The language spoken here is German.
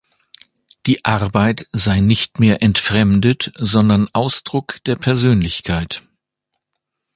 Die Arbeit sei nicht mehr entfremdet, sondern Ausdruck der Persönlichkeit.